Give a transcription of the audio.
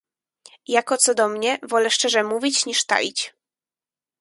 "Jako co do mnie, wolę szczerze mówić, niż taić."